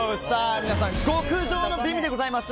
皆さん、極上の美味でございます。